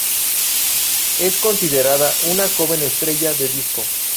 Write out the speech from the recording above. Es considerada una joven estrella de disco.